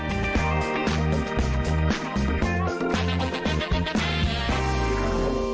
โปรดติดตามตอนต่อไป